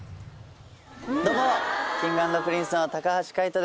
どうもＫｉｎｇ＆Ｐｒｉｎｃｅの橋海人です。